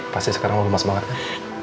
pasti sekarang lo lemas banget kan